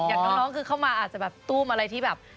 อย่างน้องคือเข้ามาอาจจะแบบตู้มอะไรที่แบบ